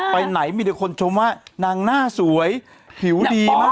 ไปไหนมีแต่คนชมว่านางหน้าสวยหิวดีมาก